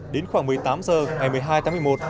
đến khoảng một mươi tám h ngày một mươi hai tám mươi một